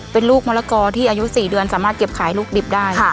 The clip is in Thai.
เป็นลูกมะละกอที่อายุ๔เดือนสามารถเก็บขายลูกดิบได้